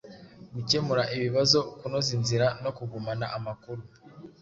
gukemura ibibazo, kunoza inzira no kugumana amakuru